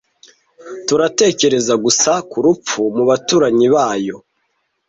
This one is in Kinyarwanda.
turatekereza gusa ku rupfu mu baturanyi bayo